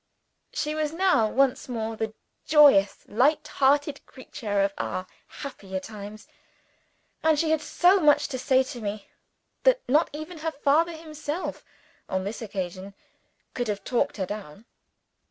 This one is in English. She was now once more the joyous light hearted creature of our happier time; and she had so much to say to me, that not even her father himself (on this occasion) could have talked her down.